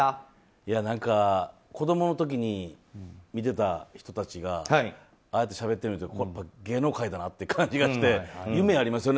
いや何か、子供の時に見ていた人たちがああやってしゃべってるのを見ると芸能界だなって感じがして夢ありますよね。